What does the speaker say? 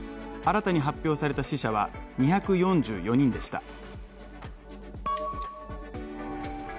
新たに発表された死者は２４４人でした。